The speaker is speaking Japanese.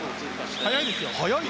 速いですよ。